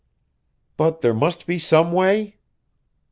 "But there must be some way?"